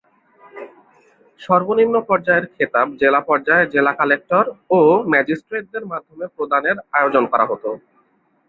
সর্বনিম্ন পর্যায়ের খেতাব জেলা পর্যায়ে জেলা কালেক্টর ও ম্যাজিস্ট্রেটদের মাধ্যমে প্রদানের আয়োজন করা হতো।